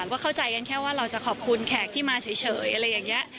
ก็เข้าใจกันแค่ว่าเราจะขอบคุณแขกที่มาเฉยอะไรอย่างนี้